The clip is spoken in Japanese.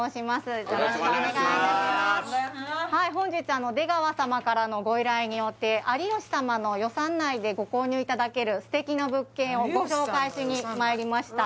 本日あの出川様からのご依頼によって有吉様の予算内でご購入いただける素敵な物件をご紹介しにまいりました